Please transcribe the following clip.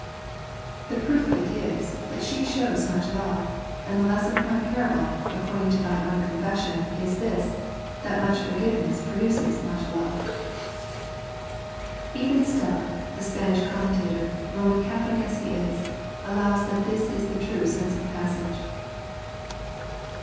The proof of it is, that she shows much love, and the lesson of my parable, according to thine own confession, is this, that much forgiveness produces much love." Even Stella, the Spanish com mentator, Roman Catholic as he is, allows that this is the true sense of the passage.